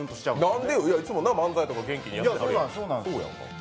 なんで、いつも漫才とか元気にやってるのに。